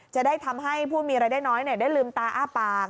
จะได้ทำให้ผู้มีรายได้น้อยได้ลืมตาอ้าปาก